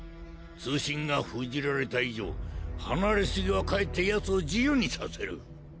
通信が封じられた以上離れ過ぎはかえって奴を自由にさせる。